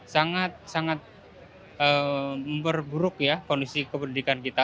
sangat sangat berburuk ya kondisi keberdekaan kita